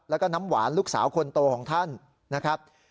แล้วก็น้ำหวานลูกสาวคนโตของท่านนะครับ